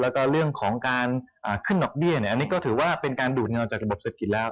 และก็เรื่องของการขึ้นนอกด้านใดนั้นอันนี้ก็ถือว่าเป็นการดูดเงาจากระบบศาลกลิ่นรับ